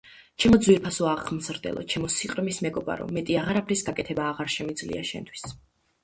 ჩემო ძვირფასო აღმზრდელო, ჩემო სიყრმის მეგობარო, მეტი აღარაფრის გაკეთება აღარ შემიძლია შენთვის;